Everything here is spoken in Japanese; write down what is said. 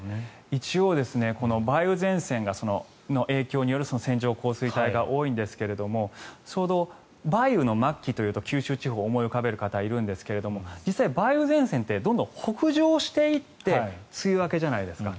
一応、梅雨前線の影響による線状降水帯が多いんですがちょうど梅雨の末期というと九州地方を思い浮かべる方がいるんですが実際、梅雨前線ってどんどん北上していって梅雨明けじゃないですか。